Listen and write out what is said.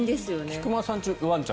菊間さんち